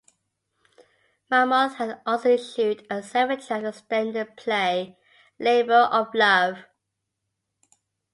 Mammoth had also issued a seven-track extended play, "Labour of Love".